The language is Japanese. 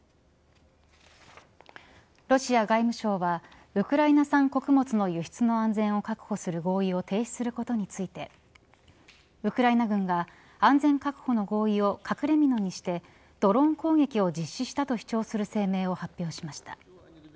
ロシア外務省はウクライナ産穀物の輸出の安全を確保する合意を停止することについてウクライナ軍が安全確保の合意を隠れみのにしてドローン攻撃を実施したと主張する声明を発表しました。